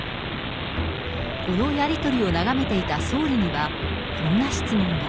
このやり取りを眺めていた総理には、こんな質問が。